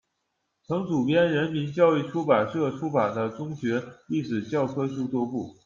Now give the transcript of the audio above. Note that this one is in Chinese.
曾主编人民教育出版社出版的中学历史教科书多部。